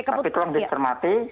tapi tolong disermati